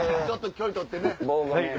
ちょっと距離取ってね。